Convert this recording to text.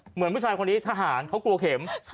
เหมือนผู้ชายคนนี้ทหารเขากลัวเข็ม